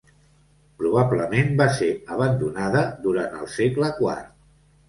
Probablement va ser abandonada durant el segle quart.